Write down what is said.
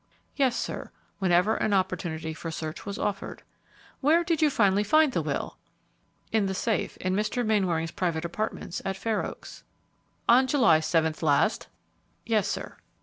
"Yes, sir, whenever an opportunity for search was offered." "Where did you finally find the will?" "In the safe, in Mr. Mainwaring's private apartments at Fair Oaks." "On July 7 last?" "Yes, sir."